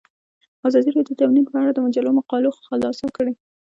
ازادي راډیو د امنیت په اړه د مجلو مقالو خلاصه کړې.